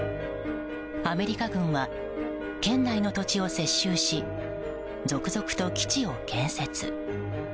アメリカ軍は県内の土地を接収し続々と基地を建設。